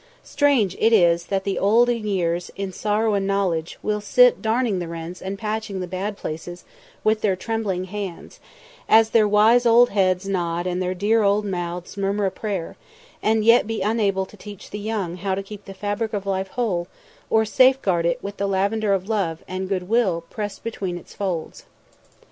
Strange it is that the old in years, in sorrow and knowledge, will sit darning the rents and patching the bad places with their trembling hands, as their wise old heads nod and their dear old mouths murmur a prayer, and yet be unable to teach the young how to keep the fabric of life whole, or safeguard it with the lavender of love and good will pressed between its folds.